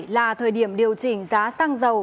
là thời điểm điều chỉnh giá xăng dầu